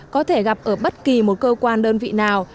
có thể gặp ở bất kỳ một cơ quan đơn vị nào